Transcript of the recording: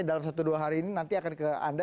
dalam satu dua hari ini nanti akan ke anda